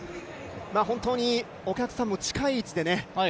本当にお客さんも近い位置でね。